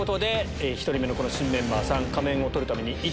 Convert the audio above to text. １人目の新メンバーさん仮面を取るために。